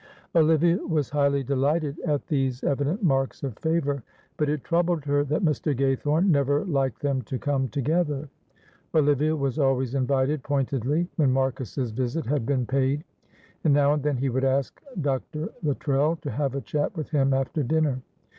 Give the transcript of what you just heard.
Olivia was highly delighted at these evident marks of favour, but it troubled her that Mr. Gaythorne never liked them to come together. Olivia was always invited pointedly when Marcus's visit had been paid, and now and then he would ask Dr. Luttrell to have a chat with him after dinner.